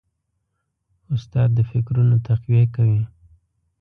استاد د فکرونو تقویه کوي.